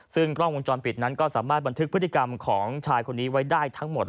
ซึ่งกล้องวงจรปิดนั้นก็สามารถบันทึกพฤติกรรมของชายคนนี้ไว้ได้ทั้งหมด